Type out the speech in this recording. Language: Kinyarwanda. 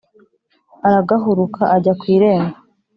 Aragahuruka ajya ku irembo